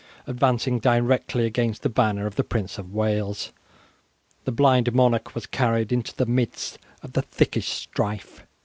Advancing directly against the banner of the Prince of Wales, the blind monarch was carried into the midst of the thickest strife.